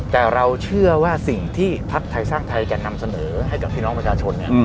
แต่เราเชื่อว่าสิ่งที่ภักดิ์ไทยสร้างไทยจะนำเสนอให้กับพี่น้องประชาชนเนี่ย